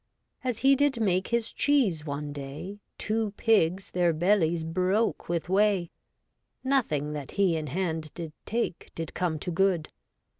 As he did make his cheese one day Two pigs their bellies broke with whey : Nothing that he in hand did take Did come to good.